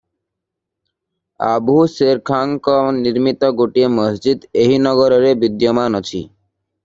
ଆବୁହସେରଖାଁଙ୍କ ନିର୍ମିତ ଗୋଟିଏ ମସଜିଦ୍ ଏହି ନଗରରେ ବିଦ୍ୟମାନ ଅଛି ।